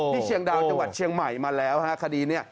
เชียงดาวจังหวัดเชียงใหม่มาแล้วฮะคดีนี้